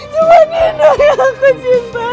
cuma nino yang aku cinta